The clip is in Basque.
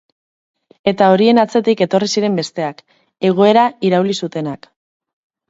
Eta horien atzetik etorri ziren besteak, egoera irauli zutenak.